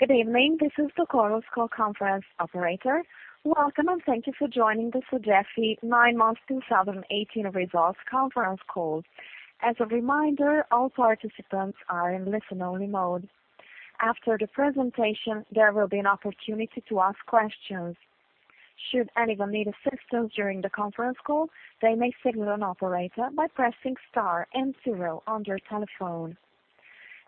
Good evening. This is the Chorus Call conference operator. Welcome, and thank you for joining the Sogefi Nine-Month 2018 Results Conference Call. As a reminder, all participants are in listen-only mode. After the presentation, there will be an opportunity to ask questions. Should anyone need assistance during the conference call, they may signal an operator by pressing star and zero on their telephone.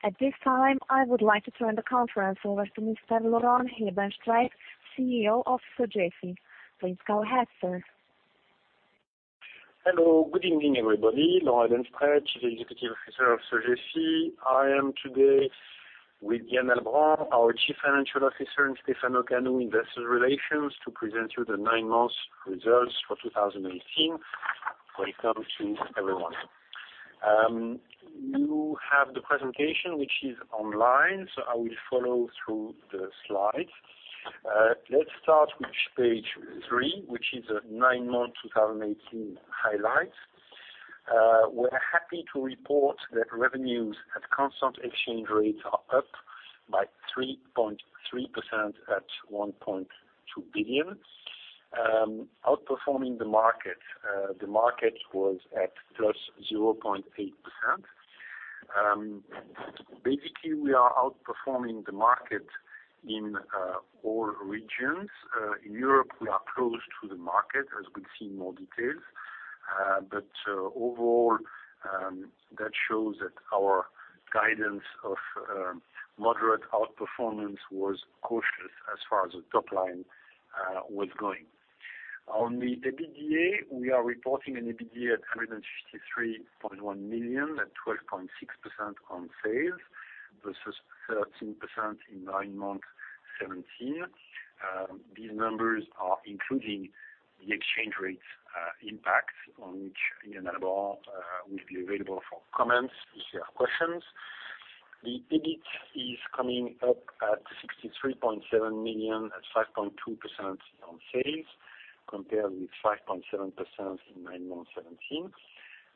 At this time, I would like to turn the conference over to Mr. Laurent Hebenstreit, Chief Executive Officer of Sogefi. Please go ahead, sir. Hello. Good evening, everybody. Laurent Hebenstreit, Chief Executive Officer of Sogefi. I am today with Yann Albrand, our Chief Financial Officer, and Stefano Canu, Investor Relations, to present to you the nine-month results for 2018. Welcome to everyone. You have the presentation which is online, so I will follow through the slides. Let's start with page three, which is the nine-month 2018 highlights. We are happy to report that revenues at constant exchange rates are up by 3.3% at 1.2 billion, outperforming the market. The market was at +0.8%. Basically, we are outperforming the market in all regions. In Europe, we are close to the market, as we will see in more details. Overall, that shows that our guidance of moderate outperformance was cautious as far as the top line was going. On the EBITDA, we are reporting an EBITDA at 153.1 million at 12.6% on sales versus 13% in nine-month 2017. These numbers are including the exchange rates impact, on which Yann Albrand will be available for comments if you have questions. The EBIT is coming up at 63.7 million at 5.2% on sales, compared with 5.7% in 9-month 2017,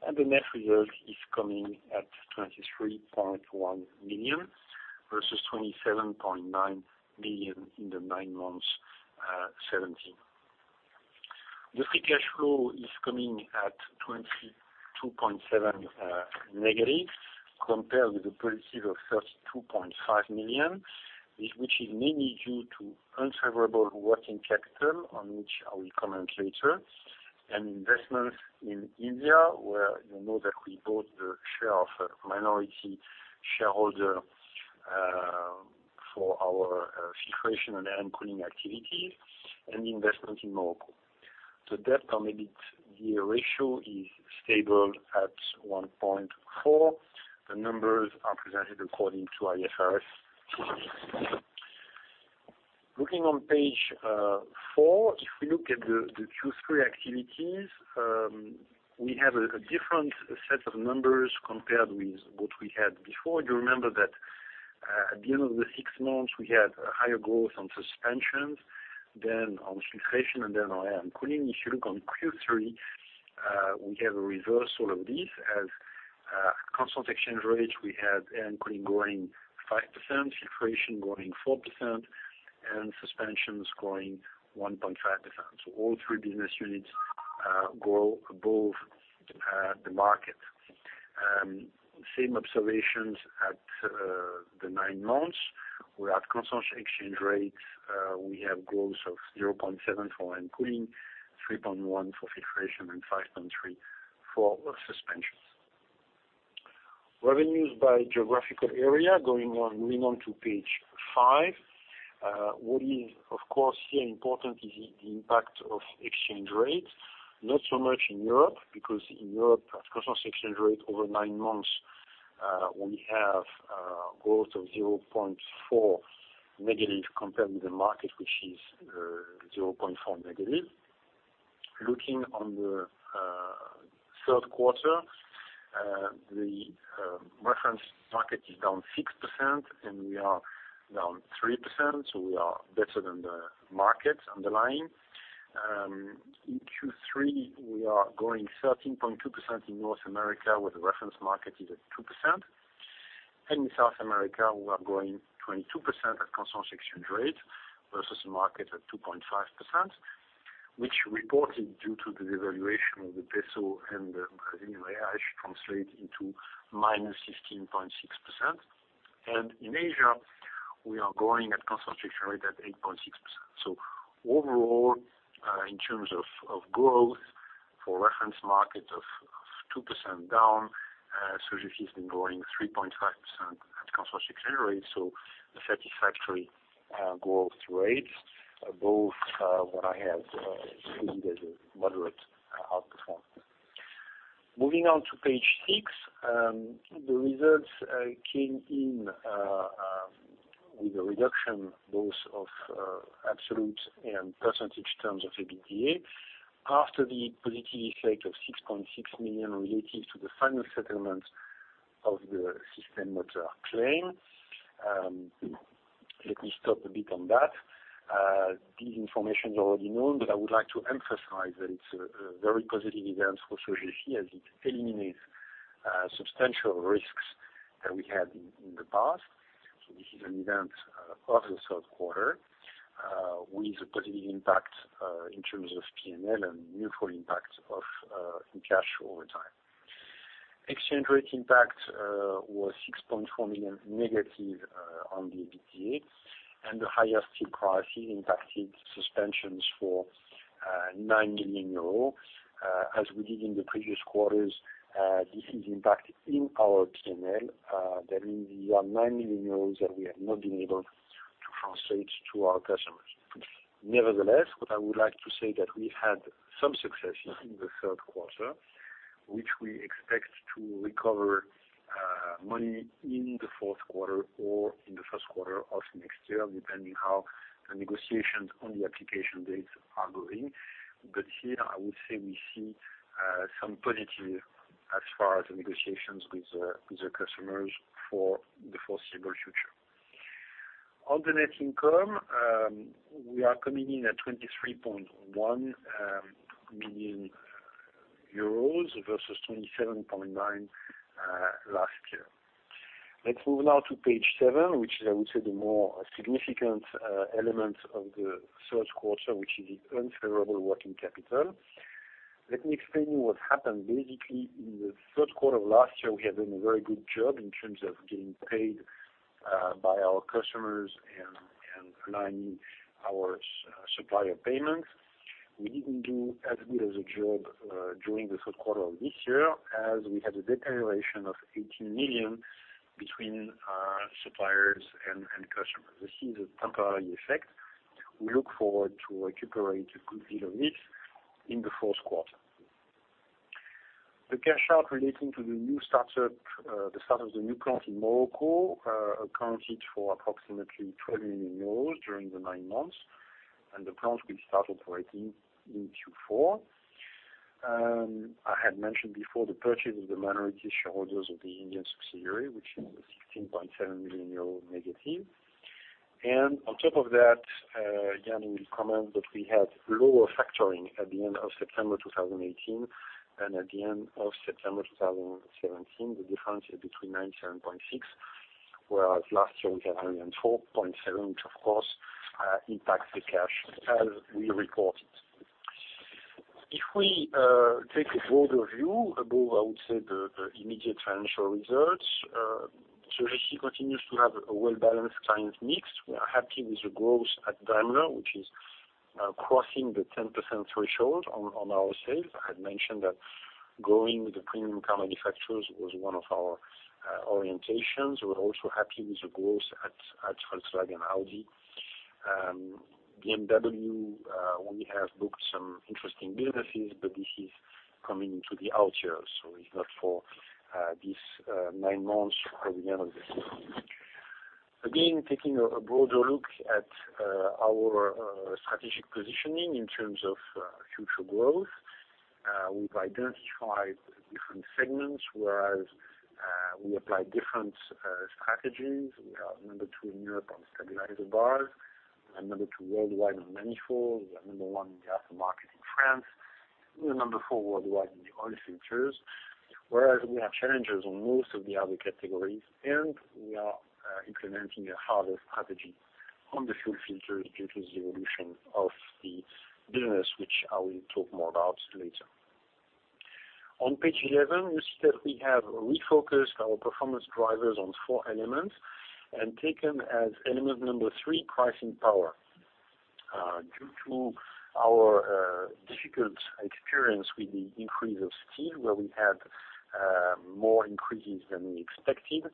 and the net result is coming at 23.1 million versus 27.9 million in the 9 months 2017. The free cash flow is coming at 22.7 million negative compared with the positive of 32.5 million, which is mainly due to unfavorable working capital, on which I will comment later, and investments in India, where you know that we bought the share of minority shareholder for our filtration and Air and Cooling activity, and the investment in Morocco. The debt-to-EBITDA ratio is stable at 1.4. The numbers are presented according to IFRS 15. Looking on page four, if we look at the Q3 activities, we have a different set of numbers compared with what we had before. You remember that at the end of the six months, we had a higher growth on suspensions than on filtration and than on Air and Cooling. If you look on Q3, we have a reversal of this. At constant exchange rate, we have Air and Cooling growing 5%, filtration growing 4%, and suspensions growing 1.5%. So all three business units grow above the market. Same observations at the 9 months. We are at constant exchange rates. We have growth of 0.7% for Air and Cooling, 3.1% for filtration, and 5.3% for suspensions. Revenues by geographical area, moving on to page five. What is, of course, here important is the impact of exchange rates, not so much in Europe, because in Europe at constant exchange rate over nine months, we have a growth of -0.4 compared with the market, which is -0.4. Looking on the third quarter, the reference market is down 6% and we are down 3%. We are better than the market underlying. In Q3, we are growing 13.2% in North America, where the reference market is at 2%. In South America, we are growing 22% at constant exchange rate versus the market at 2.5%, which reported due to the devaluation of the peso and the Brazilian real translates into minus 15.6%. In Asia, we are growing at constant exchange rate at 8.6%. Overall, in terms of growth for reference market of 2% down, Sogefi's been growing 3.5% at constant exchange rates, so a satisfactory growth rate above what I had predicted, a moderate outperformance. Moving on to page six. The results came in with a reduction both of absolute and percentage terms of EBITDA after the positive effect of 6.6 million related to the final settlement of the Systèmes Moteurs claim. Let me stop a bit on that. This information is already known, but I would like to emphasize that it's a very positive event for Sogefi, as it eliminates substantial risks that we had in the past. This is an event of the third quarter with a positive impact in terms of P&L and neutral impact in cash over time. Exchange rate impact was 6.4 million negative on the EBITDA. The higher steel prices impacted suspensions for 9 million euro. As we did in the previous quarters, this is impacted in our P&L. That means there are 9 million that we have not been able to translate to our customers. What I would like to say that we had some successes in the third quarter, which we expect to recover money in the fourth quarter or in the first quarter of next year, depending how the negotiations on the application dates are going. Here, I would say we see some positive as far as the negotiations with the customers for the foreseeable future. On the net income, we are coming in at 23.1 million euros versus 27.9 last year. Let's move now to page seven, which I would say the more significant element of the third quarter, which is the unfavorable working capital. Let me explain what happened. In the third quarter of last year, we had done a very good job in terms of getting paid by our customers and aligning our supplier payments. We didn't do as good as a job during the third quarter of this year as we had a deterioration of 18 million between our suppliers and customers. This is a temporary effect. We look forward to recuperate a good deal of it in the fourth quarter. The cash out relating to the start of the new plant in Morocco accounted for approximately 12 million euros during the nine months. The plant will start operating in Q4. I had mentioned before the purchase of the minority shareholders of the Indian subsidiary, which was 16.7 million euro negative. On top of that, Yann will comment that we had lower factoring at the end of September 2018 than at the end of September 2017. The difference is between 97.6, whereas last year we had 104.7, which, of course, impacts the cash as we report it. If we take a broader view above, I would say, the immediate financial results, Sogefi continues to have a well-balanced client mix. We are happy with the growth at Daimler, which is crossing the 110% threshold on our sales. I had mentioned that growing with the premium car manufacturers was one of our orientations. We're also happy with the growth at Volkswagen and Audi. BMW, we have booked some interesting businesses, but this is coming into the out years. It's not for these nine months or the end of this year. Again, taking a broader look at our strategic positioning in terms of future growth. We've identified different segments whereas we apply different strategies. We are number two in Europe on stabilizer bars. We are number two worldwide on manifolds. We are number one in the aftermarket in France. We are number four worldwide in the oil filters, whereas we are challengers on most of the other categories, and we are implementing a harder strategy on the fuel filters due to the evolution of the business, which I will talk more about later. On page 11, you see that we have refocused our performance drivers on four elements and taken as element number three, pricing power. Due to our difficult experience with the increase of steel, where we had more increases than we expected,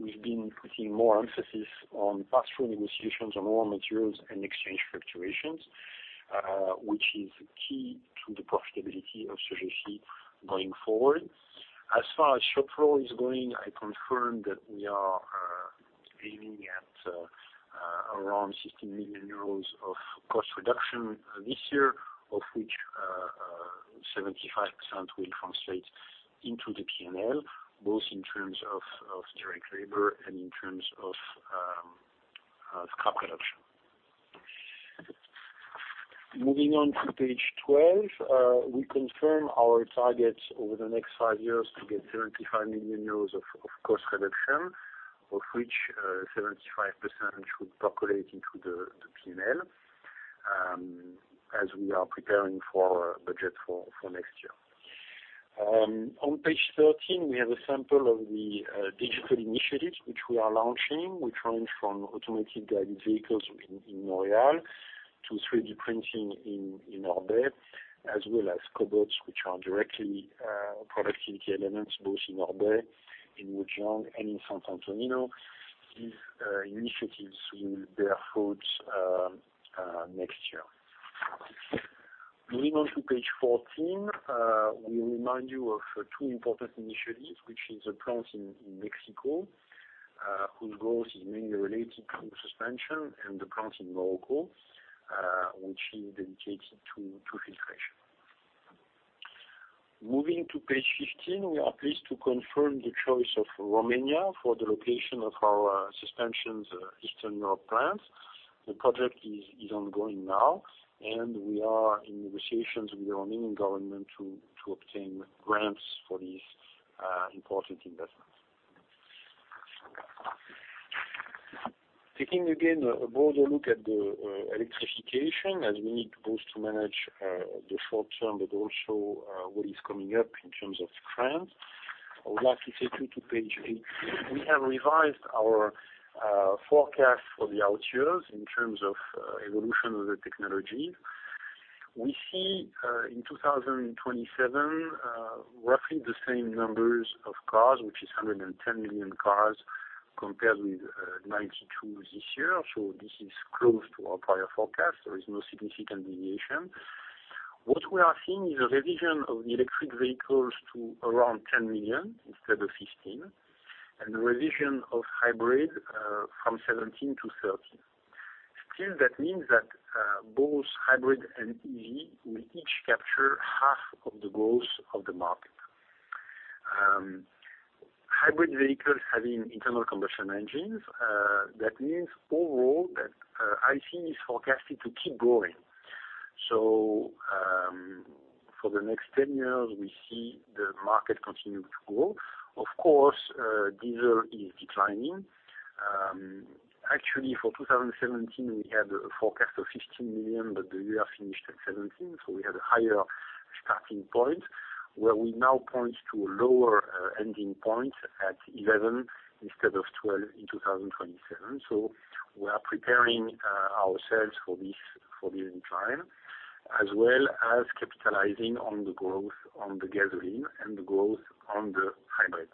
we've been putting more emphasis on pass-through negotiations on raw materials and exchange fluctuations, which is key to the profitability of Sogefi going forward. As far as Shopfloor is going, I confirm that we are aiming at around 16 million euros of cost reduction this year, of which 75% will translate into the P&L, both in terms of direct labor and in terms of scrap reduction. Moving on to page 12, we confirm our targets over the next five years to get 75 million euros of cost reduction, of which 75% should percolate into the P&L as we are preparing for our budget for next year. On page 13, we have a sample of the digital initiatives which we are launching, which range from automated guided vehicles in Noyon to 3D printing in Orbey, as well as cobots, which are directly productivity elements, both in Orbey, in Wujiang, and in Sant'Antonino di Susa. These initiatives will bear fruit next year. Moving on to page 14, we remind you of two important initiatives, which is a plant in Mexico, whose growth is mainly related to suspension, and the plant in Morocco, which is dedicated to filtration. Moving to page 15, we are pleased to confirm the choice of Romania for the location of our suspensions Eastern Europe plant. The project is ongoing now, and we are in negotiations with the Romanian government to obtain grants for this important investment. Taking again a broader look at the electrification as we need both to manage the short term but also what is coming up in terms of trends. I would like to take you to page eight. We have revised our forecast for the out years in terms of evolution of the technology. We see in 2027, roughly the same numbers of cars, which is 110 million cars compared with 92 this year. This is close to our prior forecast. There is no significant deviation. What we are seeing is a revision of the electric vehicles to around 10 million instead of 15, and a revision of hybrid from 17 to 30. Still, that means that both hybrid and EV will each capture half of the growth of the market. Hybrid vehicles having internal combustion engines, that means overall that ICE is forecasted to keep growing. For the next 10 years, we see the market continuing to grow. Of course, diesel is declining. Actually, for 2017, we had a forecast of 15 million, but the year finished at 17, we had a higher starting point where we now point to a lower ending point at 11 instead of 12 in 2027. We are preparing ourselves for this decline, as well as capitalizing on the growth on the gasoline and the growth on the hybrid.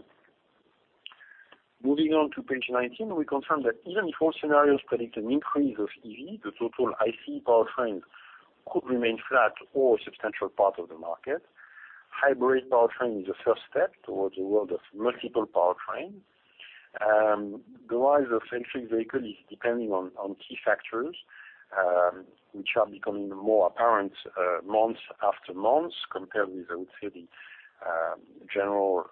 Moving on to page 19, we confirm that even if all scenarios predict an increase of EV, the total ICE powertrain could remain flat or a substantial part of the market. Hybrid powertrain is a first step towards a world of multiple powertrains. The rise of electric vehicle is depending on key factors, which are becoming more apparent month after month compared with, I would say, the general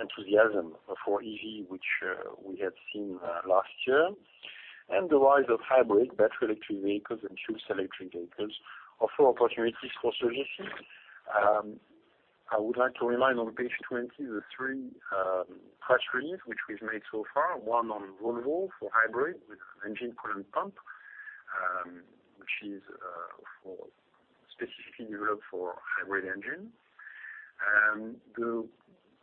enthusiasm for EV, which we had seen last year. The rise of hybrid battery electric vehicles and fuel cell electric vehicles offer opportunities for solutions. I would like to remind on page 20 the three press release which we've made so far. One on Volvo for hybrid with an engine coolant pump, which is specifically developed for hybrid engine. The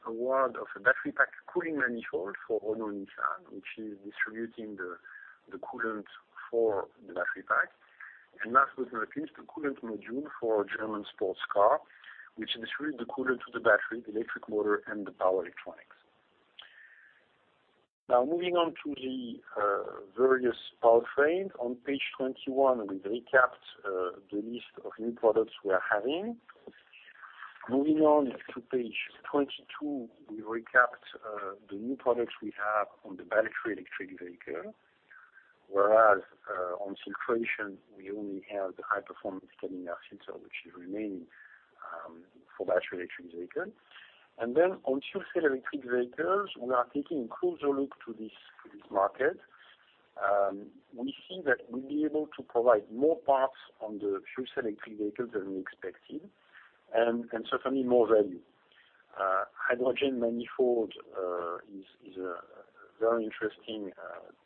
award of a battery pack cooling manifold for Renault-Nissan, which is distributing the coolant for the battery pack. Last but not least, a coolant module for a German sports car, which distributes the coolant to the battery, electric motor, and the power electronics. Now moving on to the various powertrains. On page 21, we've recapped the list of new products we are having. Moving on to page 22, we recapped the new products we have on the battery electric vehicle, whereas on filtration, we only have the high performance cabin air filter, which is remaining for battery electric vehicle. On fuel cell electric vehicles, we are taking a closer look to this market. We see that we'll be able to provide more parts on the fuel cell electric vehicle than we expected and certainly more value. Hydrogen manifold is a very interesting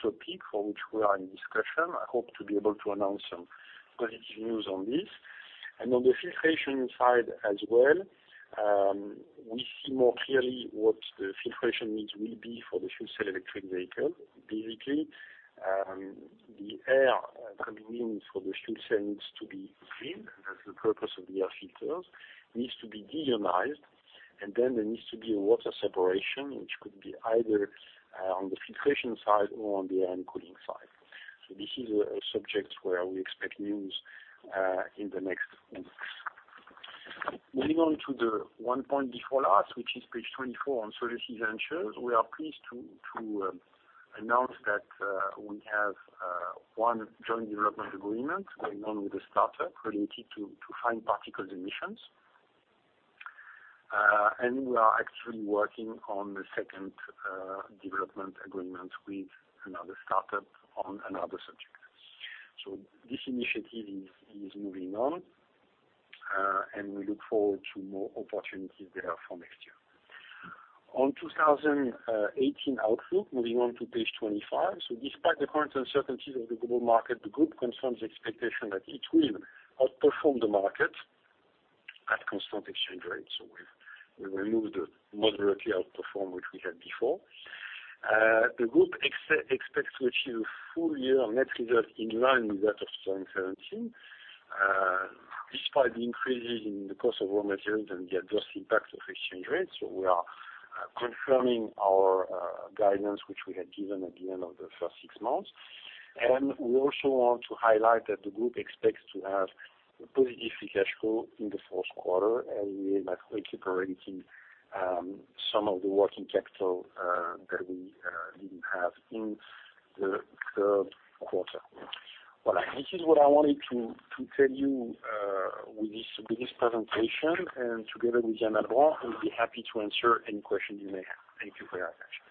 topic for which we are in discussion. I hope to be able to announce some positive news on this. On the filtration side as well, we see more clearly what the filtration needs will be for the fuel cell electric vehicle. Basically, the air coming in for the fuel cell needs to be clean. That's the purpose of the air filters. Needs to be deionized, and then there needs to be a water separation, which could be either on the filtration side or on the Air and Cooling side. This is a subject where we expect news in the next months. Moving on to the one point before last, which is page 24 on solutions ventures. We are pleased to announce that we have one joint development agreement going on with a startup related to fine particle emissions. We are actually working on the second development agreement with another startup on another subject. This initiative is moving on, and we look forward to more opportunities there for next year. On 2018 outlook, moving on to page 25. Despite the current uncertainties of the global market, the group confirms the expectation that it will outperform the market at constant exchange rates. We will remove the moderately outperform which we had before. The group expects to achieve full year net result in line with that of 2017, despite the increases in the cost of raw materials and the adverse impacts of exchange rates. We are confirming our guidance, which we had given at the end of the first six months. We also want to highlight that the group expects to have a positive free cash flow in the fourth quarter, and we might be recuperating some of the working capital that we didn't have in the third quarter. This is what I wanted to tell you with this presentation, and together with Yann Albrand, we'll be happy to answer any questions you may have. Thank you for your attention.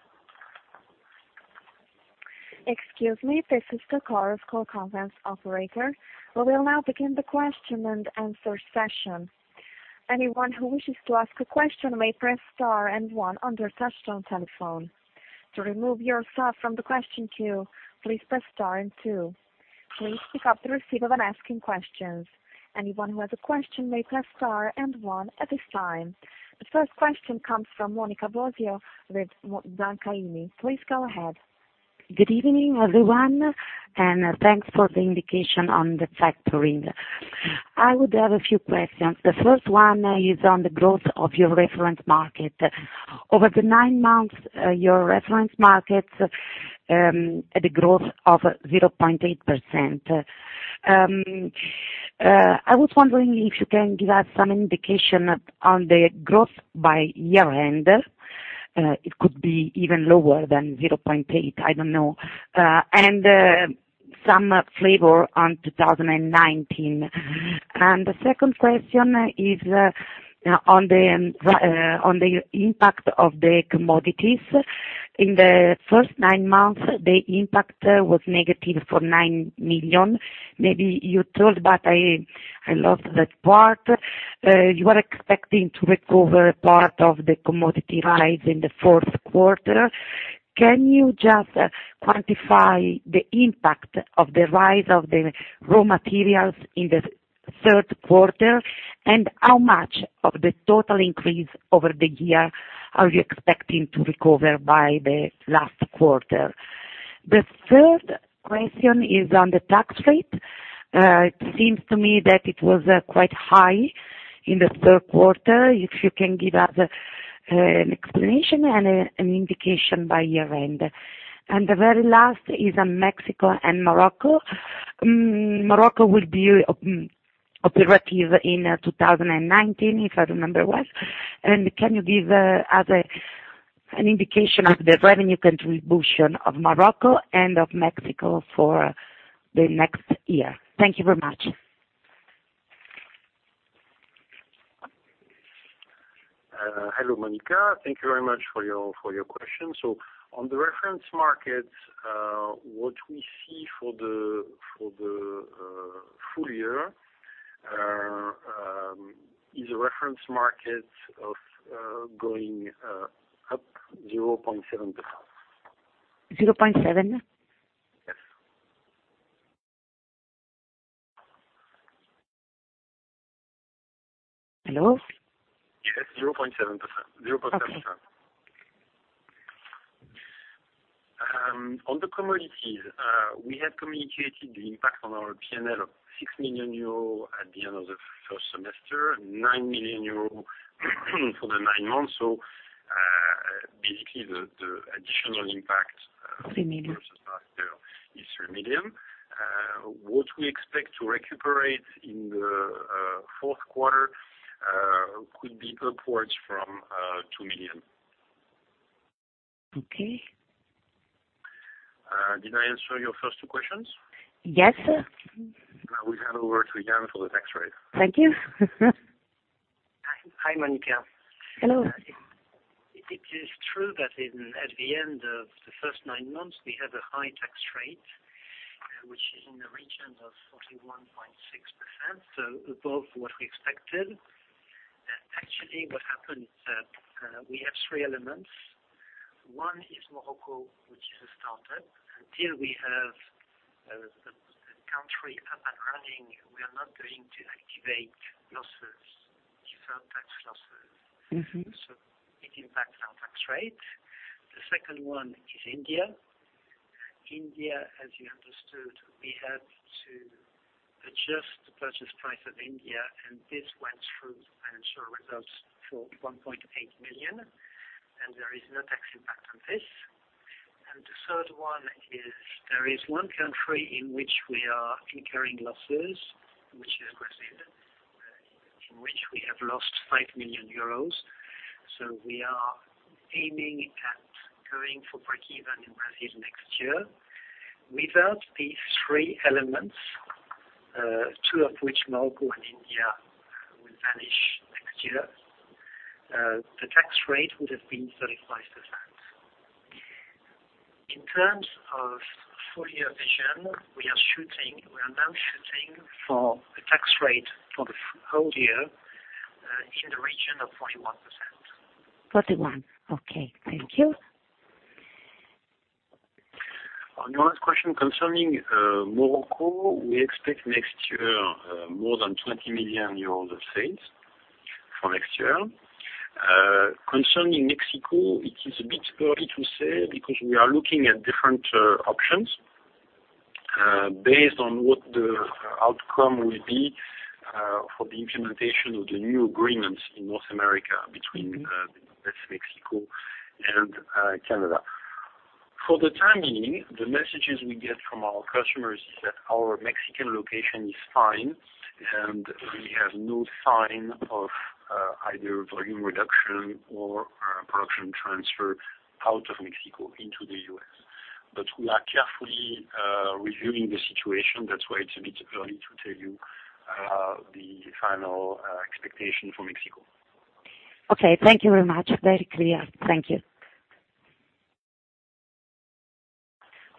Excuse me. This is Chorus Call, call conference operator. We will now begin the question and answer session. Anyone who wishes to ask a question may press star and one on their touch-tone telephone. To remove yourself from the question queue, please press star and two. Please pick up the receipt of an asking questions. Anyone who has a question may press star and one at this time. The first question comes from Monica Bosio with Banca IMI. Please go ahead. Good evening, everyone, thanks for the indication on the factoring. I would have a few questions. The first one is on the growth of your reference market. Over the nine months, your reference market had a growth of 0.8%. I was wondering if you can give us some indication on the growth by year-end. It could be even lower than 0.8, I don't know. Some flavor on 2019. The second question is on the impact of the commodities. In the first nine months, the impact was negative for 9 million. Maybe you told, but I lost that part. You are expecting to recover a part of the commodity rise in the fourth quarter. Can you just quantify the impact of the rise of the raw materials in the third quarter? How much of the total increase over the year are you expecting to recover by the last quarter? The third question is on the tax rate. It seems to me that it was quite high in the third quarter, if you can give us an explanation and an indication by year-end. The very last is on Mexico and Morocco. Morocco will be operative in 2019, if I remember well. Can you give us an indication of the revenue contribution of Morocco and of Mexico for the next year? Thank you very much. Hello, Monica. Thank you very much for your questions. On the reference markets, what we see for the full year, is a reference market of going up 0.7%. 0.7? Yes. Hello? Yes, 0.7%. Okay. On the commodities, we had communicated the impact on our P&L of 6 million euros at the end of the first semester, and 9 million euros for the nine months. Basically the additional impact. 3 million. is 3 million. What we expect to recuperate in the fourth quarter could be upwards from 2 million. Okay. Did I answer your first two questions? Yes. We hand over to Yann for the tax rate. Thank you. Hi, Monica. Hello. It is true that at the end of the first nine months, we had a high tax rate, which is in the region of 41.6%, so above what we expected. Actually, what happened, we have three elements. One is Morocco, which is a startup. Until we have the country up and running, we are not going to activate losses, deferred tax losses. It impacts our tax rate. The second one is India. India, as you understood, we had to adjust the purchase price of India, there is no tax impact on this. This went through the financial results for EUR 1.8 million. The third one is, there is one country in which we are incurring losses, which is Brazil, in which we have lost 5 million euros. We are aiming at going for breakeven in Brazil next year. Without these three elements, two of which, Morocco and India, will vanish next year, the tax rate would have been 35%. In terms of full year vision, we are now shooting for a tax rate for the whole year in the region of 41%. 41%. Okay. Thank you. On your last question concerning Morocco, we expect next year more than 20 million euros of sales for next year. Concerning Mexico, it is a bit early to say because we are looking at different options, based on what the outcome will be for the implementation of the new agreements in North America between the U.S., Mexico, and Canada. For the time being, the messages we get from our customers is that our Mexican location is fine, and we have no sign of either volume reduction or production transfer out of Mexico into the U.S. We are carefully reviewing the situation. That's why it's a bit early to tell you the final expectation for Mexico. Okay. Thank you very much. Very clear. Thank you.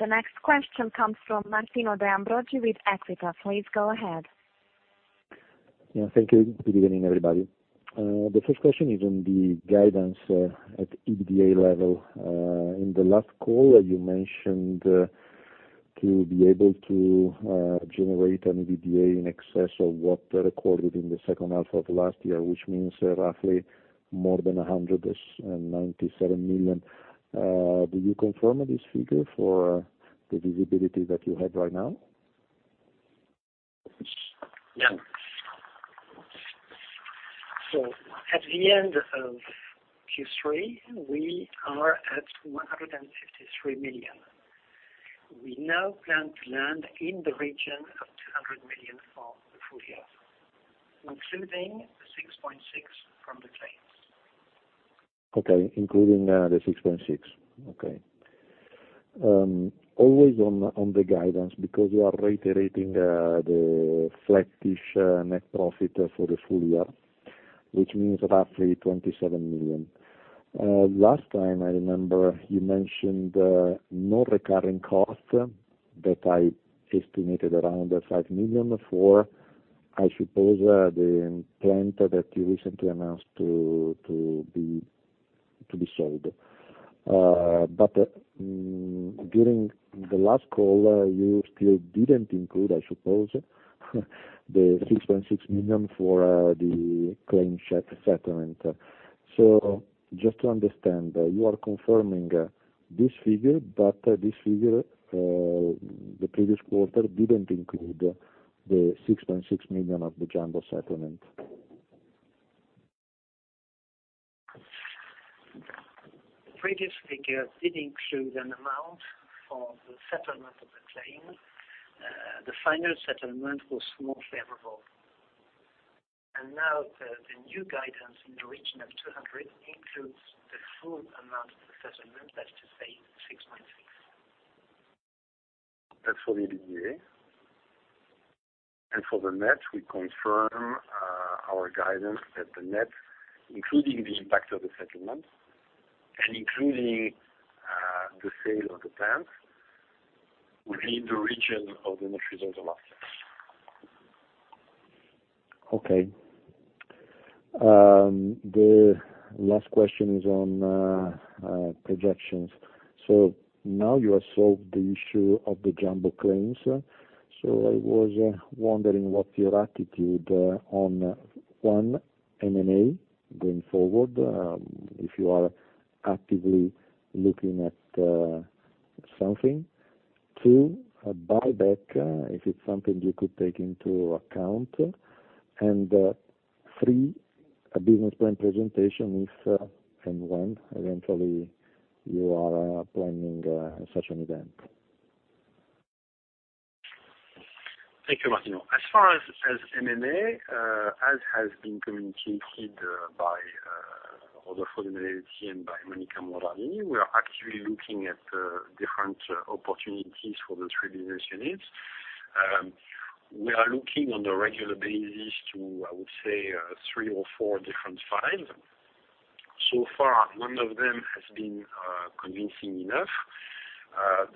The next question comes from Martino De Ambroggi with Equita. Please go ahead. Thank you. Good evening, everybody. The first question is on the guidance at EBITDA level. In the last call, you mentioned to be able to generate an EBITDA in excess of what they recorded in the second half of last year, which means roughly more than 197 million. Do you confirm this figure for the visibility that you have right now? At the end of Q3, we are at 153 million. We now plan to land in the region of 200 million for the full year, including the 6.6 from the claims. Including the 6.6. Always on the guidance, you are reiterating the flattish net profit for the full year, which means roughly 27 million. Last time, I remember you mentioned non-recurring cost that I estimated around 5 million for, I suppose, the plant that you recently announced to be sold. During the last call, you still didn't include, I suppose, the 6.6 million for the claim settlement. Just to understand, you are confirming this figure, this figure, the previous quarter didn't include the 6.6 million of the jumbo settlement. The previous figure did include an amount for the settlement of the claim. The final settlement was more favorable. Now the new guidance in the region of 200 million includes the full amount of the settlement, that's to say EUR 6.6. That's for the EBITDA. For the net, we confirm our guidance that the net, including the impact of the settlement and including the sale of the plant, will be in the region of the net results of last year. Okay. The last question is on projections. Now you have solved the issue of the jumbo claims. I was wondering what your attitude on, one, M&A going forward, if you are actively looking at something. Two, a buyback, if it's something you could take into account. Three, a business plan presentation, if and when eventually you are planning such an event. Thank you, Martino. As far as M&A, as has been communicated by Rodolfo De Benedetti and by Monica Mondardini, we are actually looking at different opportunities for the three business units. We are looking on a regular basis to, I would say, three or four different files. So far, none of them has been convincing enough.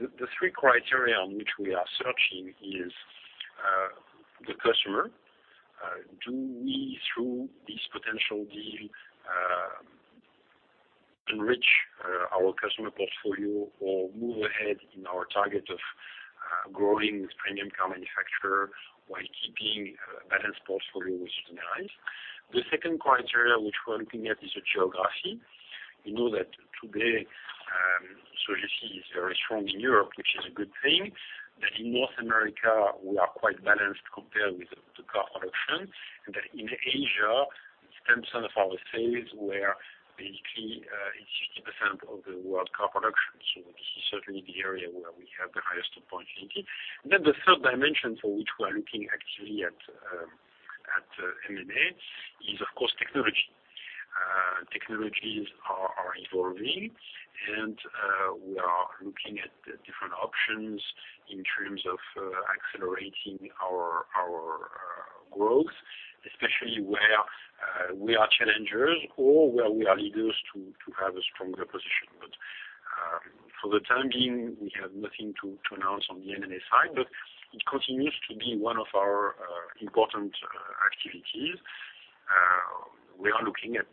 The three criteria on which we are searching is the customer. Do we, through this potential deal, enrich our customer portfolio or move ahead in our target of growing with premium car manufacturer while keeping a balanced portfolio, which is nice. The second criteria which we are looking at is the geography. You know that today, Sogefi is very strong in Europe, which is a good thing. That in North America, we are quite balanced compared with the car production. That in Asia, 10% of our sales were basically 60% of the world car production. This is certainly the area where we have the highest opportunity. The third dimension for which we are looking actually at M&A is, of course, technology. Technologies are evolving, we are looking at different options in terms of accelerating our growth, especially where we are challengers or where we are leaders to have a stronger position. For the time being, we have nothing to announce on the M&A side, it continues to be one of our important activities. We are looking at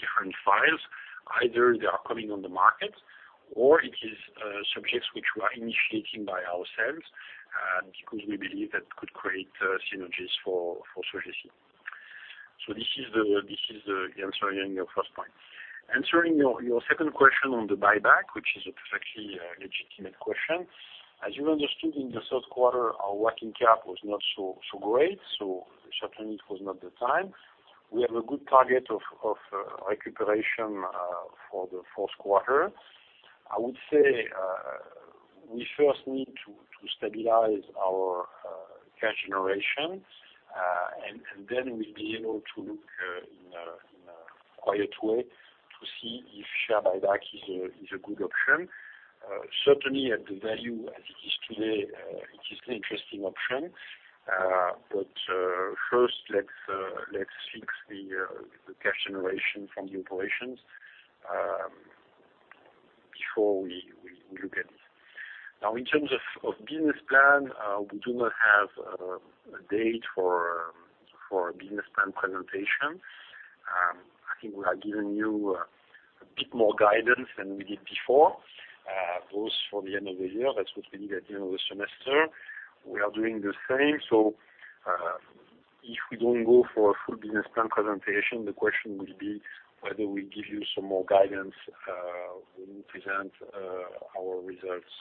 different files. Either they are coming on the market, or it is subjects which we are initiating by ourselves because we believe that could create synergies for Sogefi. This is the answer in your first point. Answering your second question on the buyback, which is a perfectly legitimate question. As you understood, in the third quarter, our working cap was not so great, certainly it was not the time. We have a good target of recuperation for the fourth quarter. I would say we first need to stabilize our cash generation, we'll be able to look in quiet way to see if share buyback is a good option. Certainly at the value as it is today, it is an interesting option. First, let's fix the cash generation from the operations, before we look at it. In terms of business plan, we do not have a date for a business plan presentation. I think we have given you a bit more guidance than we did before, both for the end of the year. That's what we did at the end of the semester. We are doing the same. If we don't go for a full business plan presentation, the question will be whether we give you some more guidance when we present our results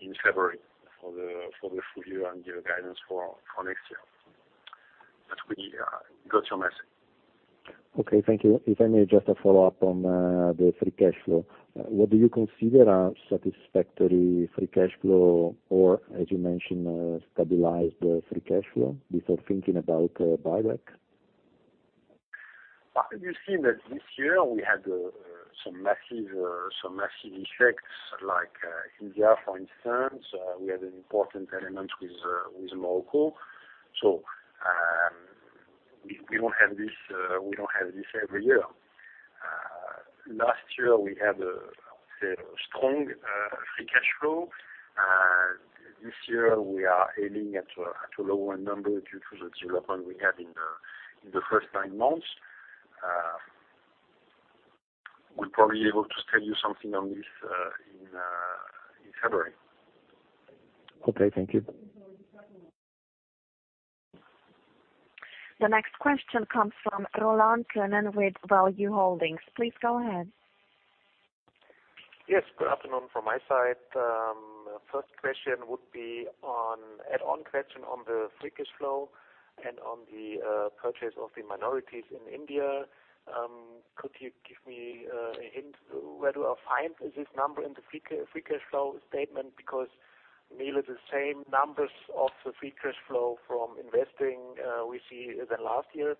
in February for the full year and give guidance for next year. We got your message. Okay. Thank you. If I may, just a follow-up on the free cash flow. What do you consider a satisfactory free cash flow or as you mentioned, a stabilized free cash flow before thinking about a buyback? You see that this year we had some massive effects like India, for instance. We had an important element with Morocco. We don't have this every year. Last year we had a strong free cash flow. This year we are aiming at a lower number due to the development we had in the first nine months. We'll probably be able to tell you something on this in February. Okay. Thank you. The next question comes from Roland Könen with Value Holdings. Please go ahead. Yes, good afternoon from my side. First question would be an add-on question on the free cash flow and on the purchase of the minorities in India. Could you give me a hint where to find this number in the free cash flow statement? Because nearly the same numbers of the free cash flow from investing we see than last year.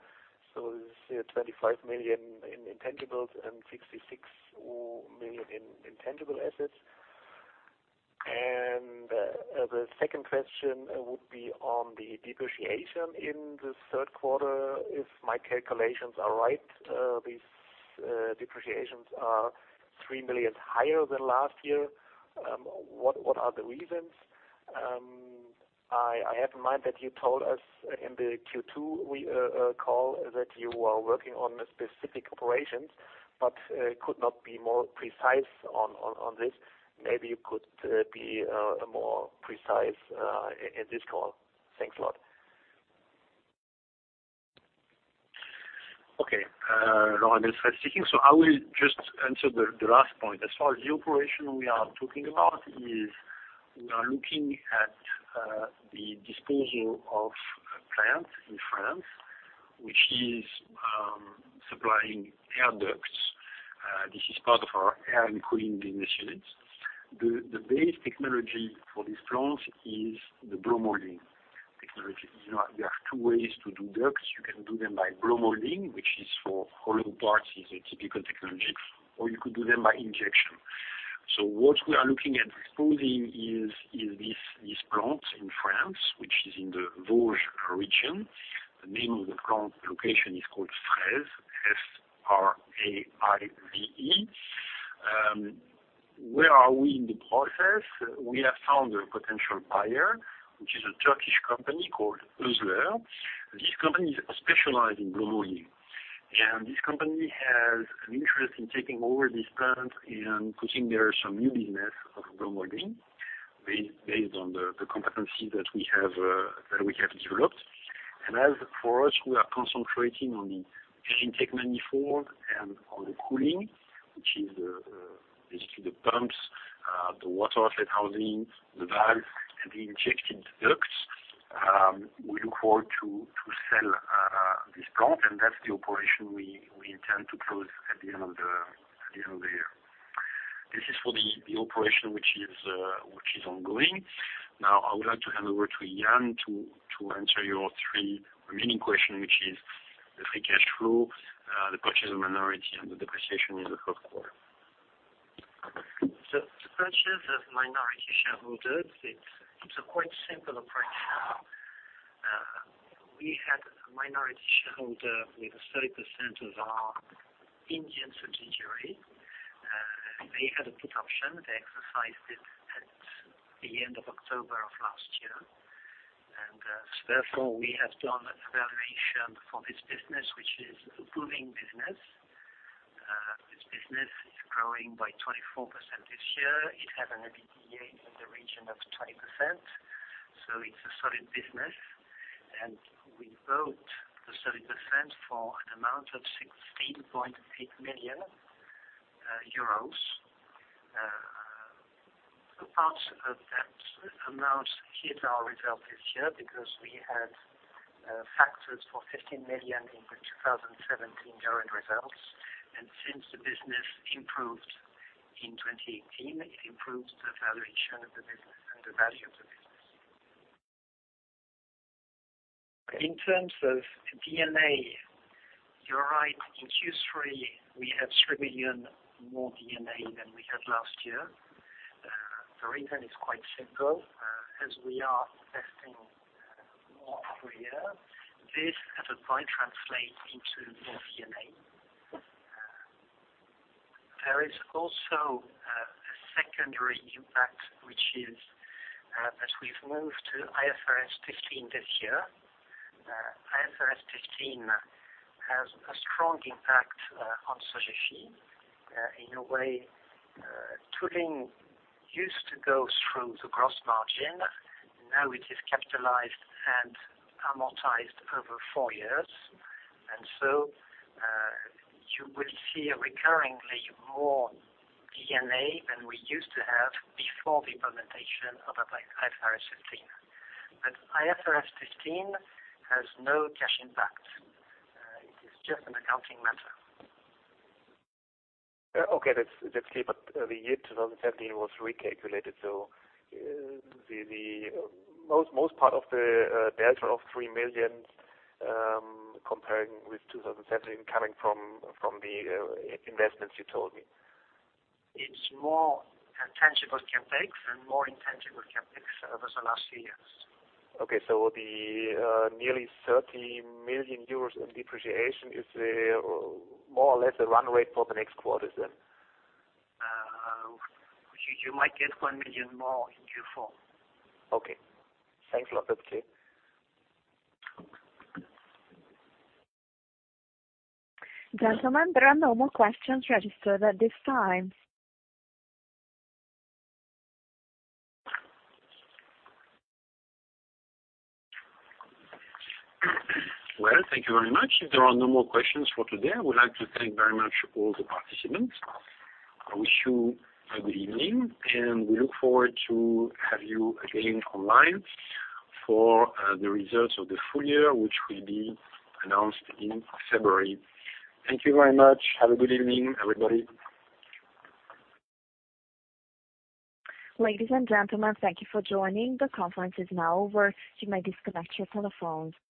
This is 25 million in intangibles and 66 million in intangible assets. The second question would be on the depreciation in the third quarter. If my calculations are right, these depreciations are 3 million higher than last year. What are the reasons? I have in mind that you told us in the Q2 call that you are working on specific operations, but could not be more precise on this. Maybe you could be more precise in this call. Thanks a lot. Okay. Roland, it's Laurent speaking. I will just answer the last point. As far as the operation we are talking about is we are looking at the disposal of a plant in France, which is supplying air ducts. This is part of our Air and Cooling business units. The base technology for this plant is the blow molding technology. You have two ways to do ducts. You can do them by blow molding, which is for hollow parts, is a typical technology, or you could do them by injection. What we are looking at disposing is this plant in France, which is in the Vosges region. The name of the plant location is called Fraize, F-R-A-I-Z-E. Where are we in the process? We have found a potential buyer, which is a Turkish company called Özler. This company is specialized in blow molding. This company has an interest in taking over this plant and putting there some new business of blow molding based on the competency that we have developed. As for us, we are concentrating on the air intake manifold and on the cooling, which is basically the pumps, the water outlet housing, the valve, and the injected ducts. We look forward to sell this plant, and that's the operation we intend to close at the end of the year. This is for the operation which is ongoing. Now I would like to hand over to Yann to answer your three remaining question, which is the free cash flow, the purchase of minority, and the depreciation in the first quarter. The purchase of minority shareholders, it's a quite simple operation. We had a minority shareholder with 30% of our Indian subsidiary. They had a put option. They exercised it at the end of October of last year. Therefore, we have done a valuation for this business, which is a booming business. This business is growing by 24% this year. It has an EBITDA in the region of 20%. It's a solid business. We bought the 30% for an amount of 16.8 million euros. A part of that amount hit our result this year because we had factors for 15 million in the 2017 year-end results. Since the business improved in 2018, it improved the valuation of the business and the value of the business. In terms of D&A, you're right. In Q3, we have 3 million more D&A than we had last year. The reason is quite simple. As we are investing more per year, this at a point translates into more D&A. There is also a secondary impact, which is that we've moved to IFRS 15 this year. IFRS 15 has a strong impact on Sogefi. In a way, tooling used to go through the gross margin. Now it is capitalized and amortized over four years. You will see recurringly more D&A than we used to have before the implementation of IFRS 15. IFRS 15 has no cash impact. It is just an accounting matter. Okay, that's clear. The year 2017 was recalculated, the most part of the delta of 3 million, comparing with 2017, coming from the investments you told me. It's more tangible CapEx and more intangible CapEx over the last few years. Okay, the nearly 30 million euros in depreciation is more or less a run rate for the next quarters then? You might get 1 million more in Q4. Okay. Thanks a lot. That is clear. Gentlemen, there are no more questions registered at this time. Well, thank you very much. If there are no more questions for today, I would like to thank very much all the participants. I wish you a good evening, and we look forward to have you again online for the results of the full year, which will be announced in February. Thank you very much. Have a good evening, everybody. Ladies and gentlemen, thank you for joining. The conference is now over. You may disconnect your telephones.